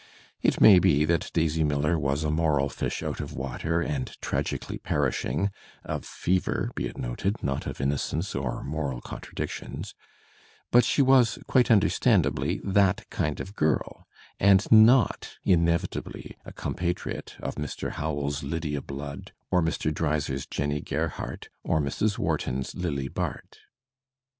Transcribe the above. It may be that Daisy Miller was a moral fish out of water and tragically perishing (of fever, be it noted, not of innocence, or moral contradictions), but she was, quite understandably, that kind of girl, and not inevitably a compatriot of Mr. Howells's "Lydia Blood" or Mr. Dreiser's "Jennie Ger hardt" or Mrs. Wharton's "Lily Bart."